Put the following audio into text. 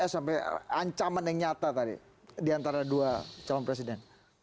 sampai ancaman yang nyata tadi di antara dua calon presiden